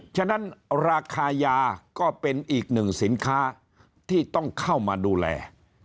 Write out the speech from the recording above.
ฉะนั้นราคายาก็เป็นอีกหนึ่งสินค้าที่ต้องเข้ามาดูแล